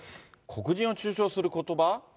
黒人を中傷することば。